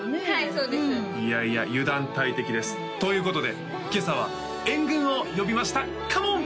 そうですいやいや油断大敵ですということで今朝は援軍を呼びましたカモン！